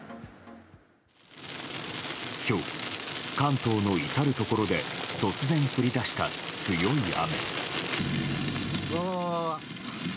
今日、関東の至るところで突然降り出した強い雨。